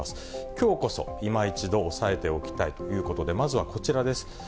きょうこそ、今一度押さえておきたいということで、まずはこちらです。